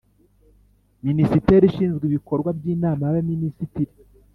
Minisiteri Ishinzwe Ibikorwa by Inama y Abaminisitiri